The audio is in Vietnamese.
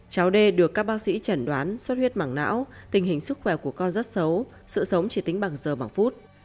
cháu d được các bác sĩ chẩn đoán suất huyết mảng não tình hình sức khỏe của con rất xấu sự sống chỉ tính bằng giờ bằng phút